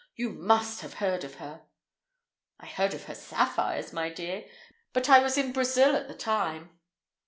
You must have heard of her." "I heard of her sapphires, my dear. But I was in Brazil at the time."